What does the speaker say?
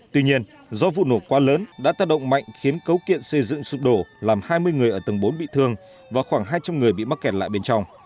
tuy nhiên do vụ nổ quá lớn đã tác động mạnh khiến cấu kiện xây dựng sụp đổ làm hai mươi người ở tầng bốn bị thương và khoảng hai trăm linh người bị mắc kẹt lại bên trong